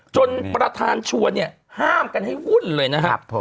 จนประธานชวนห้ามกันให้วุ่นเลยนะครับ